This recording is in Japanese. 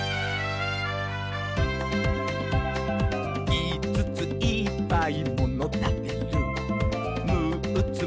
「いつついっぱいものたてる」「むっつ